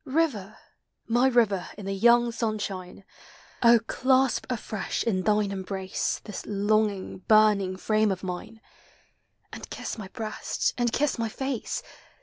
River! my river in the young sunshine! Oh, clasp afresh in thine embrace This longing, burning frame of mine, And kiss my breast, and kiss my face!